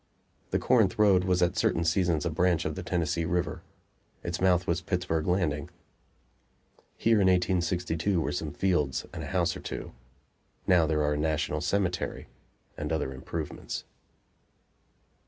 The Corinth road was at certain seasons a branch of the Tennessee River. Its mouth was Pittsburg Landing. Here in 1862 were some fields and a house or two; now there are a national cemetery and other improvements.